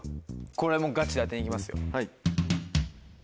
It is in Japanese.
これはガチで当てに行きますよ。